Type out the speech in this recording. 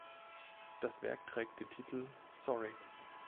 Das Werk trägt den Titel "Sorry".